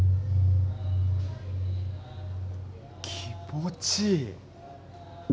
気持ちいい。